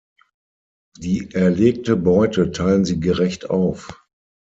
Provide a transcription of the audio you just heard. Die erlegte Beute teilen sie gerecht auf.